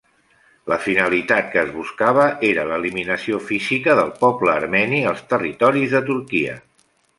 La finalitat que es buscava era l'eliminació física del poble armeni als territoris de Turquia.